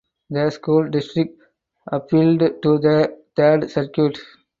The school district appealed to the Third Circuit.